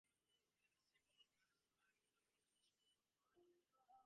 It is the symbol on the Royal Standard of the reigning monarch of Cambodia.